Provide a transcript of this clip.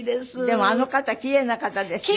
でもあの方奇麗な方ですよね。